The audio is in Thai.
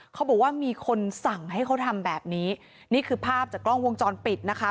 เขาบอกว่ามีคนสั่งให้เขาทำแบบนี้นี่คือภาพจากกล้องวงจรปิดนะคะ